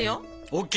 ＯＫ。